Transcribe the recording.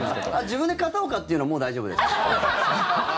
自分で片岡って言うのもう大丈夫です。